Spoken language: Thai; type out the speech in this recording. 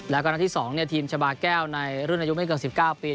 แล้วก็นัดที่๒ทีมชาบาแก้วในรุ่นอายุไม่เกิน๑๙ปี